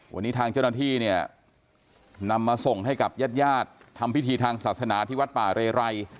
วันนี้ทางเจ้าหน้าที่เนี่ยนำมาส่งให้กับญาติญาติทำพิธีทางศาสนาที่วัดป่าเรไร